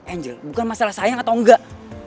angel bukan masalah sayang atau enggak